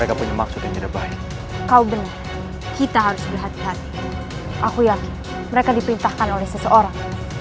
aku yakin mereka dipintahkan oleh seseorang